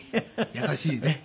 優しいね。